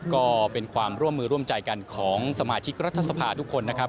ก็เป็นความร่วมมือร่วมใจกันของสมาชิกรัฐสภาทุกคนนะครับ